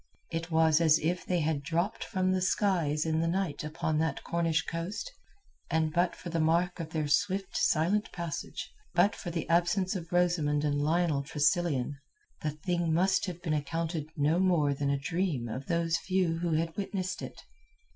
It was as if they had dropped from the skies in the night upon that Cornish coast, and but for the mark of their swift, silent passage, but for the absence of Rosamund and Lionel Tressilian, the thing must have been accounted no more than a dream of those few who had witnessed it.